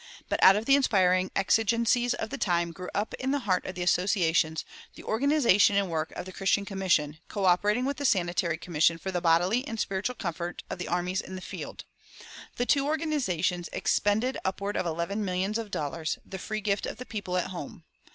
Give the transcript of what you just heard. But out of the inspiring exigencies of the time grew up in the heart of the Associations the organization and work of the Christian Commission, coöperating with the Sanitary Commission for the bodily and spiritual comfort of the armies in the field. The two organizations expended upward of eleven millions of dollars, the free gift of the people at home.